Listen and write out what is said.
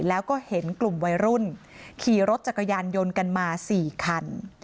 แล้วก็เห็นกลุ่มวัยรุ่นขี่รถจักรยานยนต์กันมา๔คัน